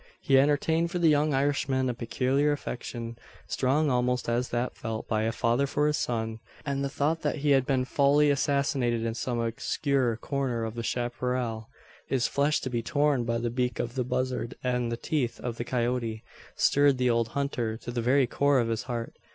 He entertained for the young Irishman a peculiar affection strong almost as that felt by a father for his son; and the thought that he had been foully assassinated in some obscure corner of the chapparal, his flesh to be torn by the beak of the buzzard and the teeth of the coyote, stirred the old hunter to the very core of his heart.